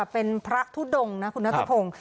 เป็นพระทุดงคุณนัทธิโภค